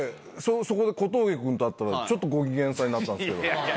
そこで小峠くんと会ったらちょっとご機嫌さんになったんですけど。